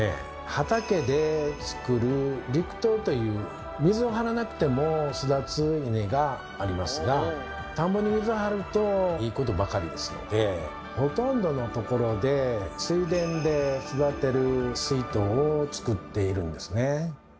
畑で作る「陸稲」という水を張らなくても育つイネがありますが田んぼに水を張るといいことばかりですのでほとんどのところで水田で育てる「水稲」を作っているんですね。